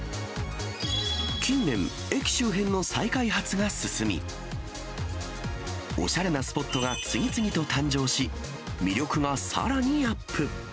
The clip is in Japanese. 近年、駅周辺の再開発が進み、おしゃれなスポットが次々と誕生し、魅力がさらにアップ。